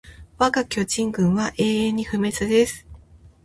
わが巨人軍は永久に不滅です